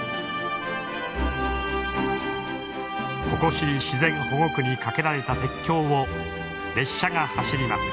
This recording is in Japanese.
ココシリ自然保護区に架けられた鉄橋を列車が走ります。